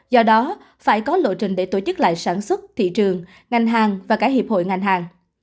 do đó phải có lộ trình để tổ chức lại sản xuất thị trường ngành hàng và cả hiệp hội ngành hàng